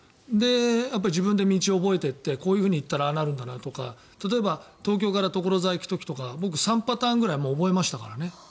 自分で道を覚えていってこう行ったらああなるんだなとか例えば東京から所沢に行く時とか僕、３パターンぐらい覚えましたからね。